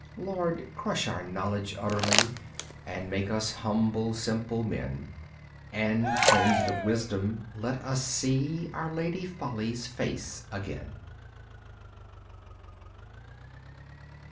Lord, crush our knowledge utterly And make us humble, simple men; And cleansed of wisdom, let us see Our Lady Folly's face again.